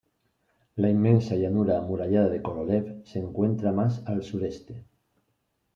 La inmensa llanura amurallada de Korolev se encuentra más al sureste.